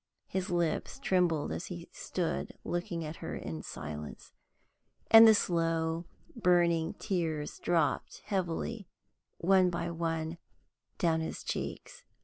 His lips trembled as he stood looking at her in silence, and the slow, burning tears dropped heavily, one by one, down his cheeks.